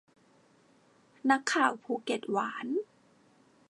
นักข่าวภูเก็ตหวาน